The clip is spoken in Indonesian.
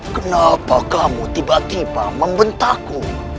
kenapa kamu tiba tiba membentakku